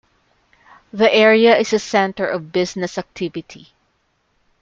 The area is a centre of business activity.